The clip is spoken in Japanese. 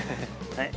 はい。